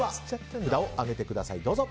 札を上げてくださいどうぞ。